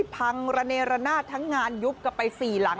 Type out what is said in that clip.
ระเนรนาศทั้งงานยุบกลับไป๔หลัง